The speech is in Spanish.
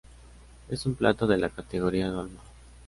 Es un plato de la categoría dolma.